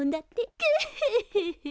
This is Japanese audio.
グフフフ。